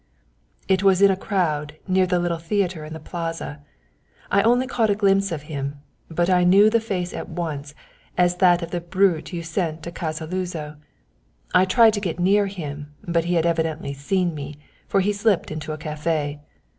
"It was in a crowd near the little theatre in the Plaza. I only caught a glimpse of him, but I knew the face at once as that of the brute you sent to Casa Luzo. I tried to get near him, but he had evidently seen me, for he slipped into a café.